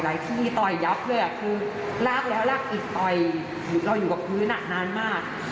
เราอยู่กับครืนน้ำนานมาก